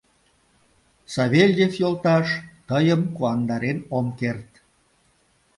— Савельев йолташ, тыйым куандарен ом керт...